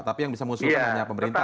tapi yang bisa mengusulkan hanya pemerintah